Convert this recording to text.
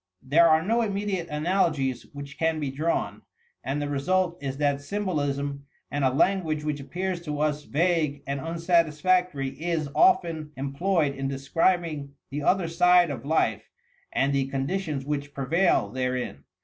There are no immediate analogies which can be drawn, and the result is that symbolism and a language which appears to us vague and unsatisfactory is often em ployed in describing the other side of life and the con ditions which prevail therein.